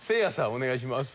お願いします。